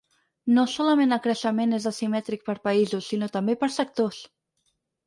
No solament el creixement és asimètric per països, sinó també per sectors.